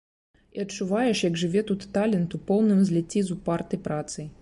І адчуваеш, як жыве тут талент у поўным зліцці з упартай працай.